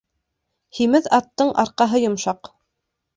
Һимеҙ аттың арҡаһы йомшаҡ.